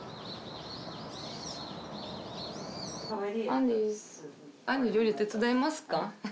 アンリ料理手伝いますか？